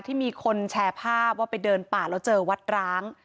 ที่มีคนแชร์ภาพว่าไปเดินป่าแล้วเจอวัดร้าง